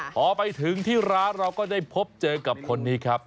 พอไปถึงที่ร้านเราก็ได้พบเจอกับคนนี้ครับ